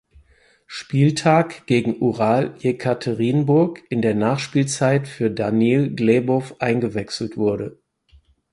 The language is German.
Spieltag gegen Ural Jekaterinburg in der Nachspielzeit für Danil Glebow eingewechselt wurde.